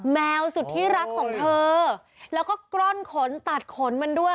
แมวสุดที่รักของเธอแล้วก็กล้อนขนตัดขนมันด้วย